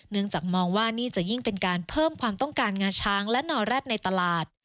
จากมองว่านี่จะยิ่งเป็นการเพิ่มความต้องการงาช้างและนอแร็ดในตลาด